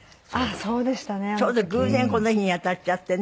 ちょうど偶然この日に当たっちゃってね。